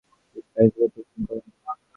তিনি প্যারিসে প্রত্যাবর্তন করেন।